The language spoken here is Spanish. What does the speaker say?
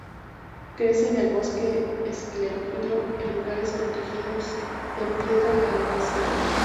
Crece en el bosque esclerófilo en lugares protegidos en piedra arenisca.